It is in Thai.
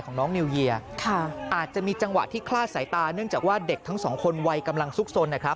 น้องนิวเยียค่ะอาจจะมีจังหวะที่คลาดสายตาเนื่องจากว่าเด็กทั้งสองคนวัยกำลังซุกสนนะครับ